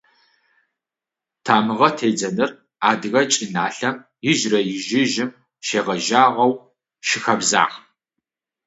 Тамыгъэ тедзэныр адыгэ чӏыналъэм ижърэ-ижъыжьым щегъэжьагъэу щыхэбзагъ.